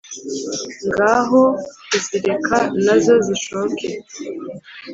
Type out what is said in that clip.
ngo aho kuzireka nazo zishoke